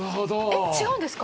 えっ違うんですか！？